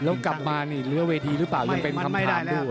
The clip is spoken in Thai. แล้วกลับมาเนี่ยเหลือเวทีหรือเปล่ายังเป็นคำถามดู